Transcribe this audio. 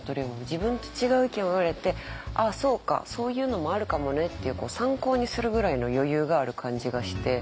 自分と違う意見を言われて「ああそうか。そういうのもあるかもね」っていう参考にするぐらいの余裕がある感じがして。